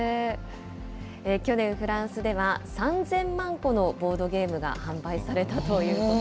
去年、フランスでは３０００万個のボードゲームが販売されたということ